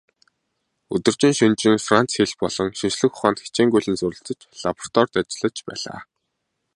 Өдөржин шөнөжин Франц хэл болон шинжлэх ухаанд хичээнгүйлэн суралцаж, лабораторид ажиллаж байлаа.